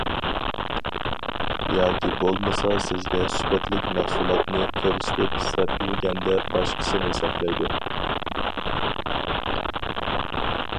ياكى بولمىسا سىزگە سۈپەتلىك مەھسۇلاتنى كۆرسىتىپ سەپلىگەندە باشقىسىنى سەپلەيدۇ.